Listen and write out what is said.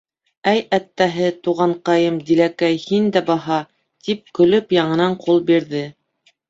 — Әй әттәһе, туғанҡайым Диләкәй, һин дә баһа! — тип көлөп яңынан ҡул бирҙе.